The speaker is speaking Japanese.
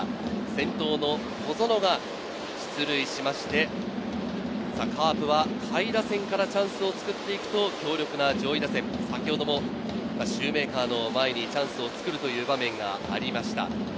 先頭の小園が出塁しまして、カープは下位打線からチャンスを作っていくと強力な上位打線、先ほどもシューメーカーの前にチャンスを作るという場面がありました。